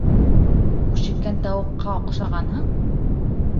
Күшеккән тауыҡҡа оҡшағанһың?